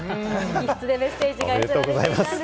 直筆でメッセージが寄せられていたんです。